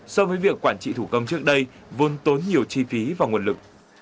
so với việc quản trị thủ công trước đây vốn tốn nhiều chi phí và nguồn lực